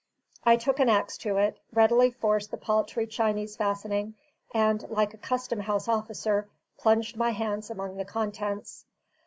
I took an axe to it, readily forced the paltry Chinese fastening, and, like a Custom House officer, plunged my hands among the contents.